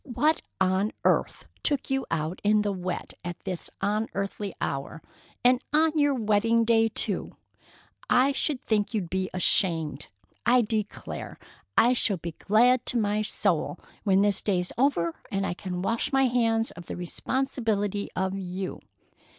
"What on earth took you out in the wet at this unearthly hour? And on your wedding day, too! I should think you'd be ashamed! I declare I shall be glad to my soul when this day's over and I can wash my hands of the responsibility of you.